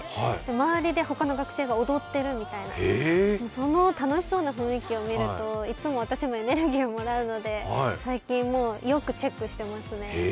周りでほかの学生が踊ってるみたいな、そんな楽しそうな雰囲気を見るといつも私もエネルギーをもらうので、最近、よくチェックしてますね。